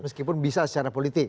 meskipun bisa secara politik